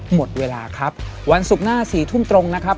หมดเวลาครับวันศุกร์หน้า๔ทุ่มตรงนะครับ